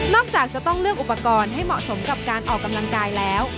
จากจะต้องเลือกอุปกรณ์ให้เหมาะสมกับการออกกำลังกายแล้ว